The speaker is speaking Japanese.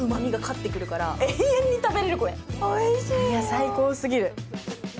最高すぎる。